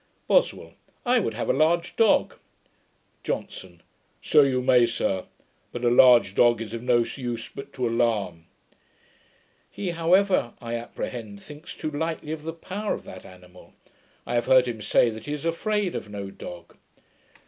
BOSWELL. 'I would have a large dog.' JOHNSON. 'So you may, sir; but a large dog is of no use but to alarm. He, however, I apprehend, thinks too lightly of the power of that animal. I have heard him say, that he is afraid of no dog.